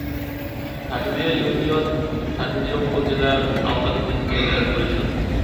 Saturia union Saturia উপজেলার আওতাধীন একটি ইউনিয়ন পরিষদ।